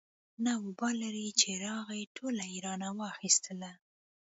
نه وبال لري چې راغی ټوله يې رانه واخېستله.